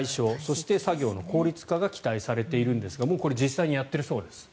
更に作業の効率化が期待されているんですがもうこれ実際にやっているそうです。